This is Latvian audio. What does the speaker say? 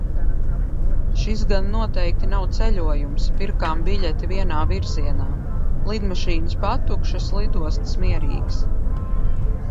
Šis gan noteikti nav ceļojums. Pirkām biļeti vienā virzienā. Lidmašīnas patukšas, lidostas mierīgas.